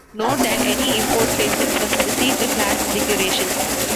Note that any import statements must precede the class declaration.